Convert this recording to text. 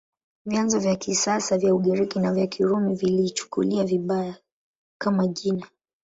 Vyanzo vya kisasa vya Ugiriki na vya Kirumi viliichukulia vibaya, kama jina.